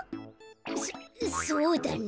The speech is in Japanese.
そそうだね。